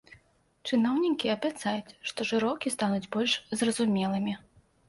Чыноўнікі абяцаюць, што жыроўкі стануць больш зразумелымі.